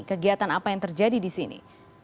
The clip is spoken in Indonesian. kegiatan apa yang terjadi di sini